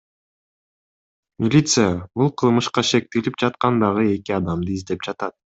Милиция бул кылмышка шектелип жаткан дагы эки адамды издеп жатат.